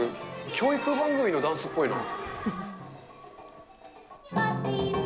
教育番組のダンスっぽいな。